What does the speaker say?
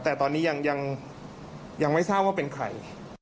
แต่ตอนนี้ยังไม่ทราบว่าเป็นใคร